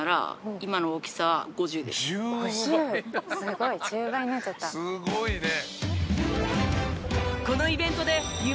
「すごいね！」